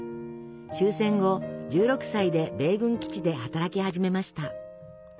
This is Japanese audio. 終戦後１６歳で米軍基地で働き始めました。